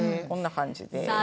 こんな感じです。